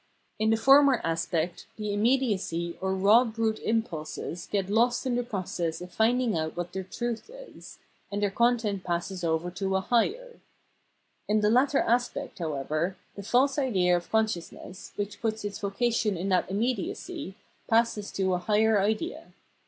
In the former aspect the im mediacy or raw brute impulses get lost in the process of finding out what their truth is, and their content Realisation of Rational Self Consciousness 347 passes over to a higher. In the latter aspect, however, the false idea of consciousness, which puts its vocation in that immediacy, passes to a higher idea.